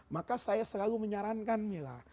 maka saya selalu menyarankan mila